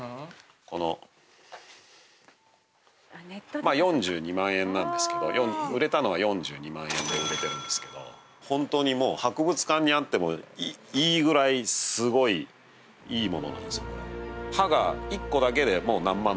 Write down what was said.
この４２万円なんですけど売れたのは４２万円で売れてるんですけど本当にもう博物館にあってもいいぐらいすごいいいものなんですよ。